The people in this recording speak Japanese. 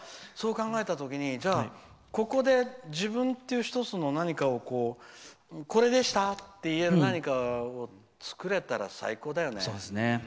そう考えたときにじゃあ、ここで自分という１つの何かをこれでしたって言える何かを作れたら最高だよね。